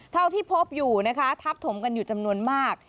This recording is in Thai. เท่าที่พบอยู่นะคะทับถมกันอยู่จำนวนมาก